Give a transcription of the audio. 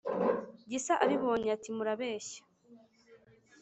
gisa abibonye ati : murabeshya